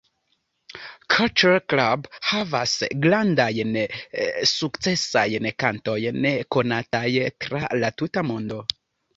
Culture Club havis grandajn sukcesajn kantojn konataj tra la tuta mondo.